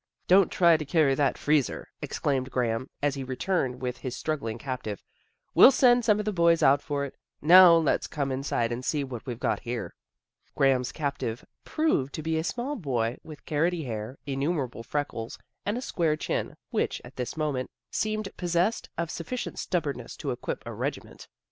Don't try to carry that freezer," exclaimed Graham, as he returned with his struggling captive. " We'll send some of the boys out for it. And now let's come inside and see what we've got here." Graham's captive proved to be a small boy with carroty hair, innumerable freckles, and a square chin, which, at this moment, seemed possessed of sufficient stubbornness to equip a regiment.